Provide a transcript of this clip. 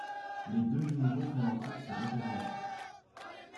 Les deux généraux prennent en compte ses recommandations.